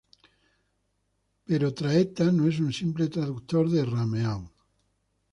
Pero Traetta no es un simple traductor de Rameau.